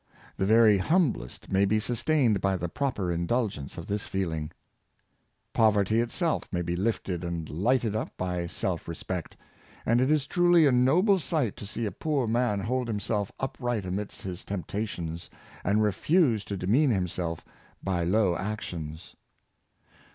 The very humblest may be sustained by the proper indul gence of this feeling. Poverty itself may be lifted and Knowledge as a Means of Rising, 305 lighted up by self respect; and it is truly a noble sight to see a poor man hold himself upright amidst his temp tations, and refuse to demean himself by low actions.